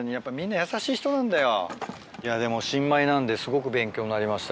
でも新米なんですごく勉強になりました